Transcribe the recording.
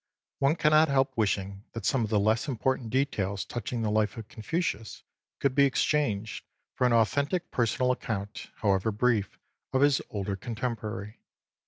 One cannot help wishing that some of the less important details touching the life of Confucius could be exchanged for an authentic personal account, however brief, of his older contemporary.